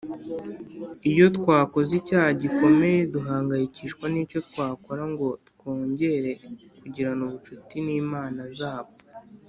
Iyo twakoze icyaha gikomeye duhangayikishwa n icyo twakora ngo twongere kugirana ubucuti n Imana Zabo